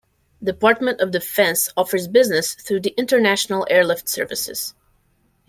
Department of Defense offers business through the International Airlift Services.